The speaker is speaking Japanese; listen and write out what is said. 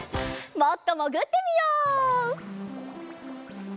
もっともぐってみよう。